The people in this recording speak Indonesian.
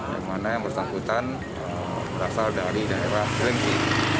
yang mana yang bersangkutan berasal dari daerah kelengki